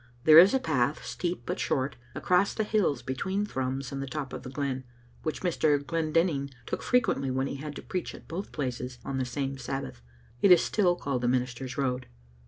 There is a path, steep but short, across the hills between Thrums and the top of the glen, which Mr. Glendinning took frequently when he had to preach at both places on the same Sabbath. It is still called the Minister's Road.